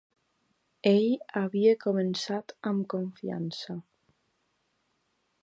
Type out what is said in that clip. Ell havia començat amb confiança.